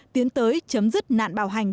tiến tới chấm dứt nạn bạo hành